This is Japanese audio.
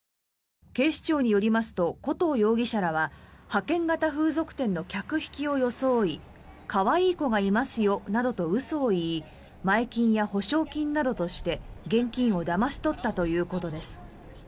警視庁によりますと古藤容疑者らは派遣型風俗店の客引きを装い可愛い子がいますよなどと嘘を言い前金や保証金などとして、現金をだまし取ったということです。